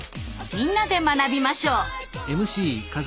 みんなで学びましょう！